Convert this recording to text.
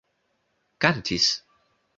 kantis